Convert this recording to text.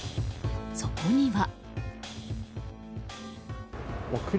そこには。